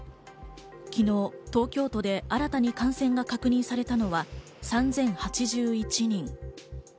昨日、東京都で新たに感染が確認されたのは３０８１人。